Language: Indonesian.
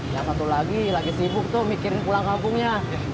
yang satu lagi lagi sibuk tuh mikirin pulang kampungnya